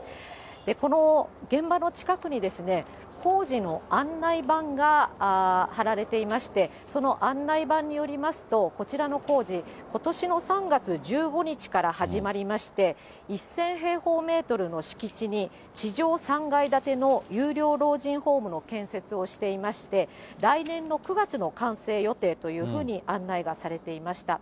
この現場の近くに、工事の案内板がはられていまして、その案内板によりますと、こちらの工事、ことしの３月１５日から始まりまして、１０００平方メートルの敷地に、地上３階建ての有料老人ホームの建設をしていまして、来年の９月の完成予定というふうに案内がされていました。